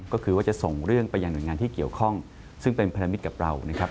ก็คือว่าจะส่งเรื่องไปยังหน่วยงานที่เกี่ยวข้องซึ่งเป็นพันธมิตรกับเรานะครับ